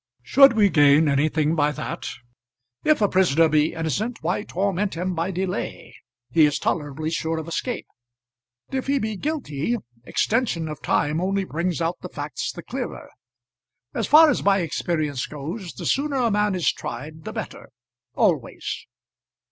"Should we gain anything by that? If a prisoner be innocent why torment him by delay. He is tolerably sure of escape. If he be guilty, extension of time only brings out the facts the clearer. As far as my experience goes, the sooner a man is tried the better, always."